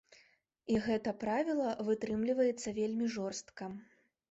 І гэта правіла вытрымліваецца вельмі жорстка.